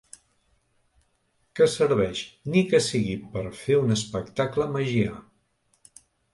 Que serveix, ni que sigui per fer un espectacle magiar.